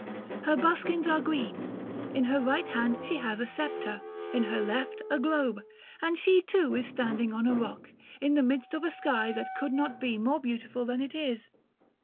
Her buskins are green; in her right hand she has a sceptre, in her left a globe; and she, too, is standing on a rock, in the midst of a sky that could not be more beautiful than it is.